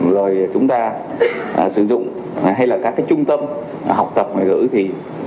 rồi chúng ta sử dụng hay là các trung tâm học tập ngoài gửi thì